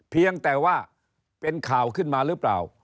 เพียงแต่ว่าเป็นข่าวขึ้นมาหรือเปล่า